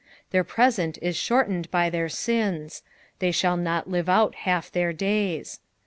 Thdr present is shortened by their sins ; they shall not live out half their days.